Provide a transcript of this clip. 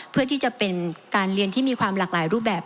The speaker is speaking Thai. เพื่อที่จะเป็นการเรียนที่มีความหลากหลายรูปแบบ